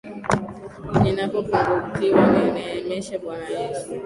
Ninapopungukiwa nineemeshe bwana Yesu.